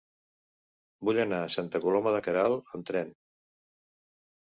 Vull anar a Santa Coloma de Queralt amb tren.